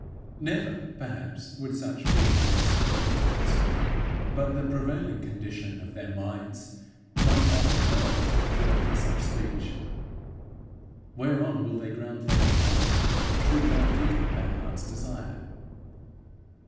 Never, perhaps, would such be men's spoken words, but the prevailing condition of their minds might often well take form in such speech. Whereon will they ground their complaint should God give them their hearts' desire?